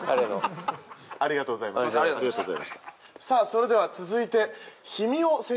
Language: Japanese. さあそれでは続いて。